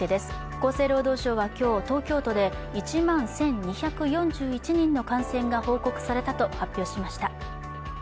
厚生労働省は今日、東京都で１万１２４１人の感染が報告されたと発表しました。